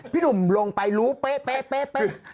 พี่หนุ่มลงไปรู้เป๊ะเป๊ะเป๊ะ